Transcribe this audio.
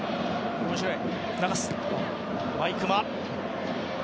面白い。